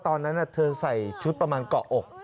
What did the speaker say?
ตอนนั้นเธอใส่ชุดประมาณเกาะอก